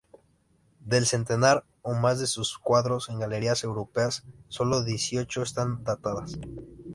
Del centenar o más de sus cuadros en galerías europeas, sólo dieciocho están datadas.